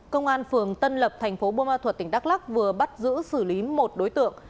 công an phường tân lập thành phố bô ma thuật tỉnh đắk lắc vừa bắt giữ xử lý một đối tượng